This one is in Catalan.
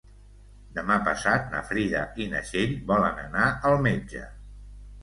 Demà passat na Frida i na Txell volen anar al metge.